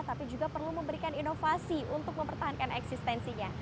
tapi juga perlu memberikan inovasi untuk mempertahankan eksistensinya